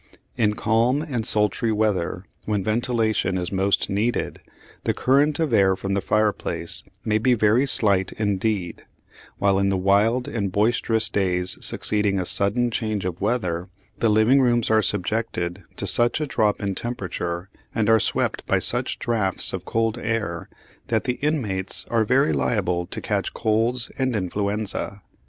In calm and sultry weather, when ventilation is most needed, the current of air from the fireplace may be very slight indeed; while in the wild and boisterous days succeeding a sudden change of weather, the living rooms are subjected to such a drop in temperature and are swept by such draughts of cold air that the inmates are very liable to catch colds and influenza.